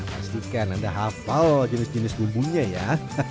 pastikan anda hafal jenis jenis bumbunya ya